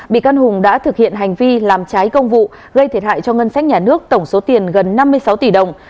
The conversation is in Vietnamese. bị can hùng đã thực hiện hành vi làm trái công vụ gây thiệt hại cho ngân sách nhà nước tổng số tiền gần năm mươi sáu tỷ đồng